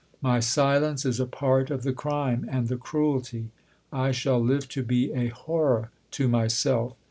My silence is a part of the crime and the cruelty I shall live to be a horror to myself.